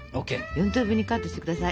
４等分にカットして下さい。